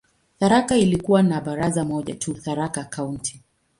Tharaka ilikuwa na baraza moja tu, "Tharaka County".